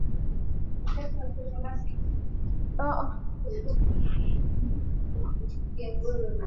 Hawajawahi hata mara moja kuomba idhini au ktaarifa kwa polisi